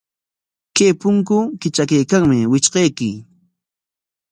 Chay punku kitrakaykanmi, witrqaykuy.